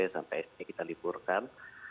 sampai sd kita liburkan